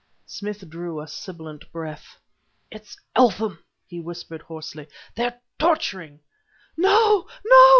Smith drew a sibilant breath. "It's Eltham!" he whispered hoarsely "they're torturing " "No, no!"